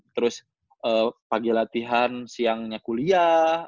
terus pagi latihan siangnya kuliah